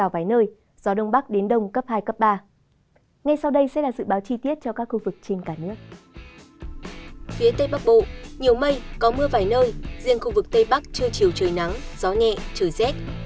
phía tây bắc bộ nhiều mây có mưa vài nơi riêng khu vực tây bắc chưa chiều trời nắng gió nhẹ trời rét